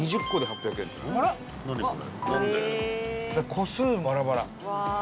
個数バラバラ。